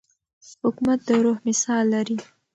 حکومت د روح مثال لري.